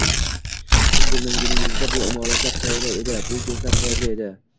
Siz bo‘lmaganingizda... bu imoratlar qaerda edi, bu yurtlar qaerda edi?